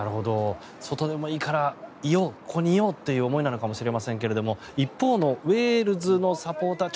外でもいいからここにいようという思いなのかもしれませんが一方のウェールズのサポーター